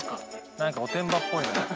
なんかおてんばっぽいな。